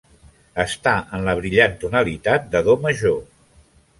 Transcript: Està en la brillant tonalitat de do major.